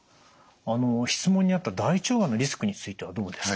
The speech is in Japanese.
質問にあった大腸がんのリスクについてはどうですか？